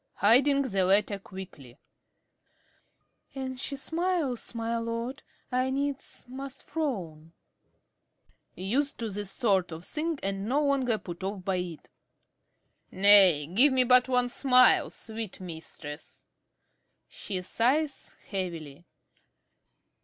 ~Dorothy~ (hiding the letter quickly). An she smiles, my lord, I needs must frown. ~Carey~ (used to this sort of thing and no longer put off by it). Nay, give me but one smile, sweet mistress. (_She sighs heavily.